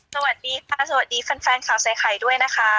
สวัสดีค่ะสวัสดีแฟนข่าวใส่ไข่ด้วยนะคะ